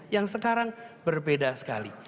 yang sekarang berbeda sekali